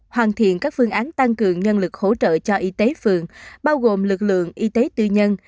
hoàn thiện các phương án tăng cường nhân lực hỗ trợ cho y tế phường bao gồm lực lượng y tế tư nhân